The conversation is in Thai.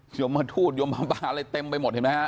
น่ะโยมมาทูดโยมมาปลาอะไรเต็มไปหมดเห็นไหมฮะ